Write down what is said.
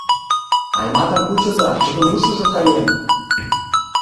Айматым кучыза, тудын ушыжо каен!..